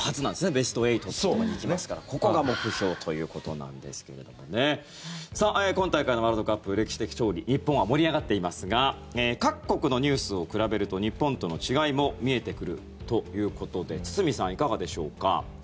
ベスト８とかに行きますからここが目標ということなんですが今大会のワールドカップ歴史的勝利日本は盛り上がっていますが各国のニュースを比べると日本との違いも見えてくるということで堤さん、いかがでしょうか。